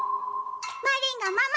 マリンがママ！